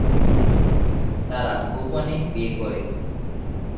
তারা গোপনে বিয়ে করে।